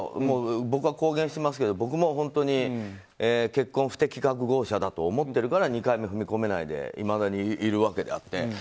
僕は公言していますけど結婚不適格者だと思ってますから２回目に踏み込めないでいまだにいるわけであって。